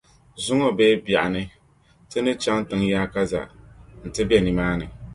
Zuŋɔ bee biɛɣuni ti ni chaŋ tiŋ’ yaakaza nti be nimaani.